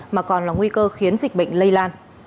mà còn là nguy cơ khiến dịch bệnh lây lan